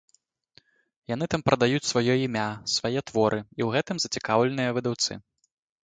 Яны там прадаюць сваё імя, свае творы, і ў гэтым зацікаўленыя выдаўцы.